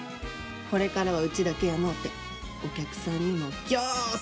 これからはウチだけやのうてお客さんにもぎょうさん福を届けたり。